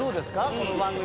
この番組。